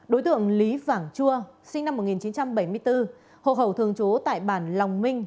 đối tượng lý vảng chua sinh năm một nghìn chín trăm bảy mươi bốn hộ khẩu thường trú tại bản lòng minh